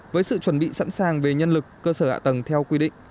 với sự chuẩn bị sẵn sàng về nhân lực cơ sở hạ tầng theo quy định